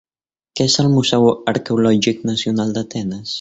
Què és el Museu Arqueològic Nacional d'Atenes?